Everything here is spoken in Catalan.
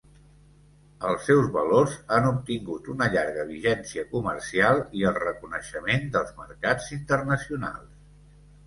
Els seus valors han obtingut una llarga vigència comercial i el reconeixement dels mercats internacionals.